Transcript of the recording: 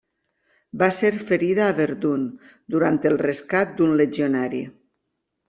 Va ser ferida a Verdun durant el rescat d'un legionari.